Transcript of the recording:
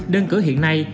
đơn cử hiện nay